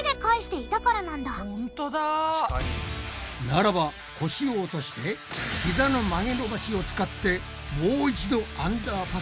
ならば腰を落としてひざの曲げ伸ばしを使ってもう一度頑張れ！